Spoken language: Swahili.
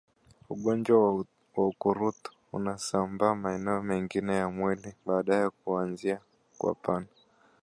Ugonjwa wa ukurutu husambaa maeneo mengine ya mwili baada ya kuanzia kwapani